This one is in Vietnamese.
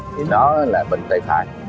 thì nó là bên tay phải